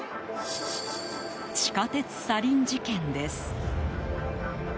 地下鉄サリン事件です。